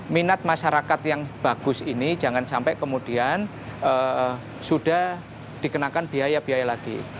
minat masyarakat yang bagus ini jangan sampai kemudian sudah dikenakan biaya biaya lagi